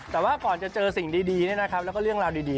แต่ว่าก่อนจะเจอสิ่งดีแล้วก็เรื่องราวดี